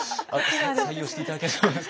採用して頂けそうですか？